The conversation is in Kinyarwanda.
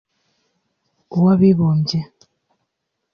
uw’abibumbye